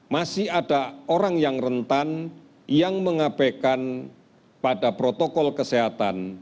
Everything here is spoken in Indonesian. masih ada orang yang rentan yang mengabaikan pada protokol kesehatan